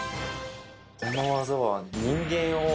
この技は。